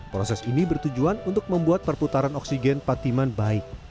proses ini bertujuan untuk membuat perputaran oksigen patiman baik